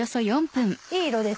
いい色です